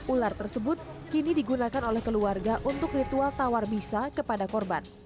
ular tersebut kini digunakan oleh keluarga untuk ritual tawar misa kepada korban